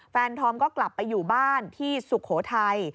ธอมก็กลับไปอยู่บ้านที่สุโขทัย